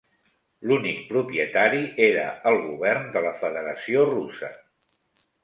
L'únic propietari era el Govern de la Federació Russa.